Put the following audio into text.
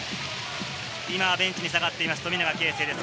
今ベンチに下がっています、富永啓生です。